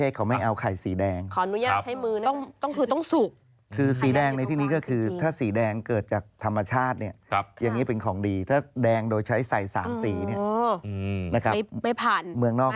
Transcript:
สาดวกซื้อแบบจีบถุงทำได้เลย